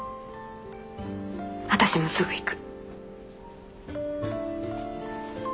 私もすぐ行く。